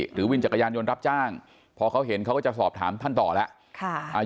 วินจักรยานยนต์รับจ้างพอเขาเห็นเขาก็จะสอบถามท่านต่อแล้ว